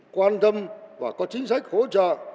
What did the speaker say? quan tâm và có chính sách hỗ trợ